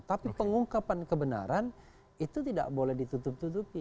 tapi pengungkapan kebenaran itu tidak boleh ditutup tutupi